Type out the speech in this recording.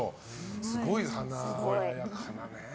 すごい華やかなね。